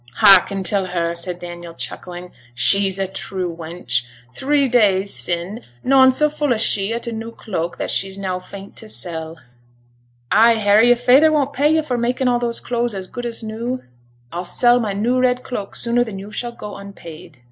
'Hearken till her,' said Daniel, chuckling. 'She's a true wench. Three days sin' noane so full as she o' t' new cloak that now she's fain t' sell.' 'Ay, Harry. If feyther won't pay yo' for making all these old clothes as good as new, I'll sell my new red cloak sooner than yo' shall go unpaid.'